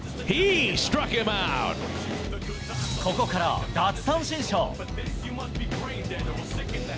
ここから奪三振ショー。